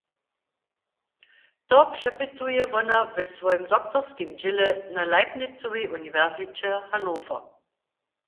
To přepytuje wona w swojim doktorskim dźěle na Leibnizowej uniwersiće Hannover.